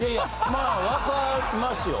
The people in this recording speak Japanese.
まあ分かりますよ。